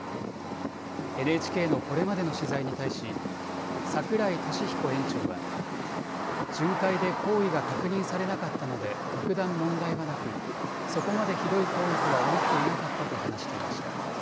ＮＨＫのこれまでの取材に対し櫻井利彦園長は、巡回で行為が確認されなかったので特段問題はなくそこまでひどい行為とは思っていなかったと話していました。